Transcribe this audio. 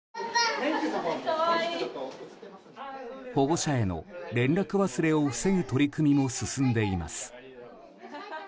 保護者への連絡忘れを防ぐ取り組みも進んでいます。